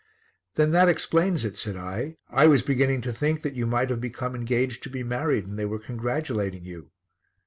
"Then that explains it," said I. "I was beginning to think that you might have become engaged to be married and they were congratulating you."